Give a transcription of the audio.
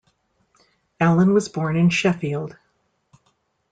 Allan was born in Sheffield.